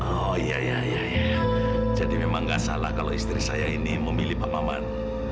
oh iya ya jadi memang nggak salah kalau istri saya ini memilih pak maman